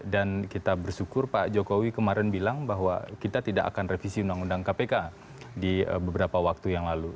dan kita bersyukur pak jokowi kemarin bilang bahwa kita tidak akan revisi undang undang kpk di beberapa waktu yang lalu